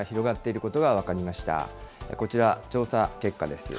こちら、調査結果です。